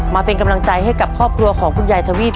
มาเป็นกำลังใจให้กับครอบครัวของคุณยายทวีป